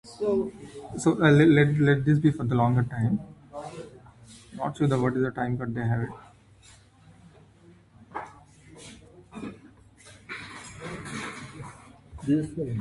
These improvements potentially could lead to higher overall system efficiencies.